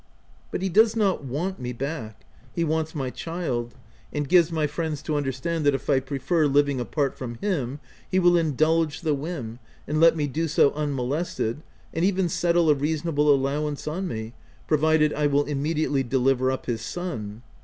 But he does not want me back ; he wants my child ; and gives my friends to under stand that if I prefer living apart from him, he will indulge the whim and let me do so un molested, and even settle a reasonable allowance on me, provided I will immediately deliver up his son.